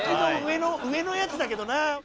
上のやつだけどな。